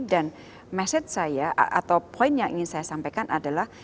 dan poin yang ingin saya sampaikan adalah